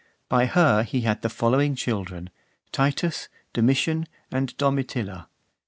By her he had the following children: Titus, Domitian, and Domitilla.